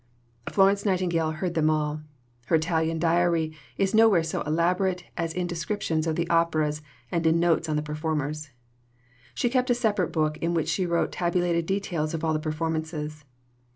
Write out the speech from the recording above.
Florence Nightingale heard them all. Her Italian diary is nowhere so elaborate as in descriptions of the operas and in notes on the performers. She kept a separate book in which she wrote tabulated details of all the performances.